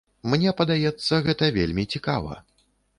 Мне падаецца гэта вельмі цікава.